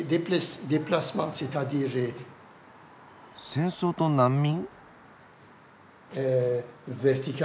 戦争と難民？